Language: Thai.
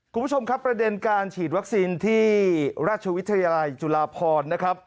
คุณผู้ชมครับประเด็นการฉีดวัคซีนที่ราชวิทยาลัยจุฬาพรนะครับ